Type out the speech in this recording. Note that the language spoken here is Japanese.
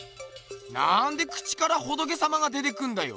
なんで口から仏様が出てくんだよ。